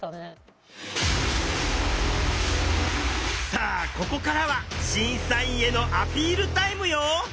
さあここからは審査員へのアピールタイムよ。